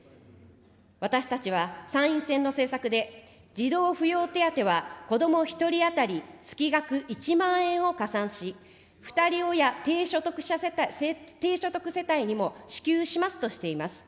私たちは参院選の政策で、児童扶養手当はこども１人当たり月額１万円を加算し、ふたり親低所得世帯にも支給しますとしています。